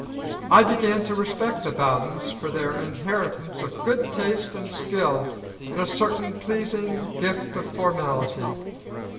I began to respect the Bowdens for their inheritance of good taste and skill and a certain pleasing gift of formality.